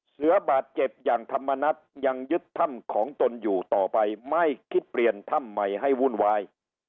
เสือบาดเจ็บอย่างธรรมนัฐยังยึดถ้ำของตนอยู่ต่อไปไม่คิดเปลี่ยนถ้ำใหม่ให้วุ่นวาย